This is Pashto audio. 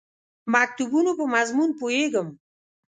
مکتوبونو په مضمون پوهېږم.